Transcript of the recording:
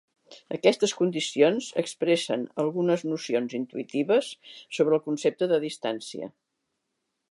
Aquestes condicions expressen algunes nocions intuïtives sobre el concepte de distància.